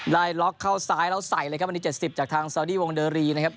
ได้ล็อคเข้าซ้ายแล้วใส่เลยครับวันนี้เจ็ดสิบจากทางเซาดีวงเดอรีนะครับ